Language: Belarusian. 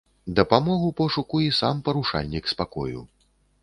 Дапамог у пошуку і сам парушальнік спакою.